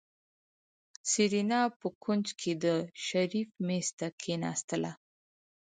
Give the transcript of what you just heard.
سېرېنا په کونج کې د شريف مېز ته کېناستله.